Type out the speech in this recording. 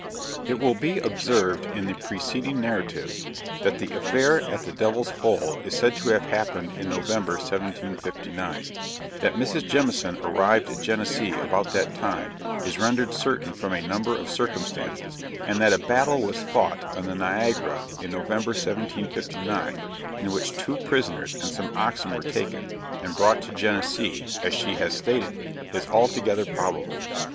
It will be observed in the preceding narrative, that the affair at the Devil's Hole is said to have happened in November, 1759. That Mrs. Jemison arrived at Genesee about that time, is rendered certain from a number of circumstances; and that a battle was fought on the Niagara in Nov. 1759, in which two prisoners and some oxen were taken, and brought to Genesee, as she has stated, is altogether probable.